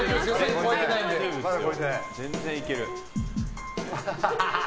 全然いける。